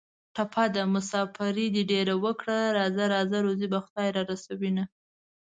ټپه ده: مسافري دې ډېره وکړه راځه راځه روزي به خدای را رسوینه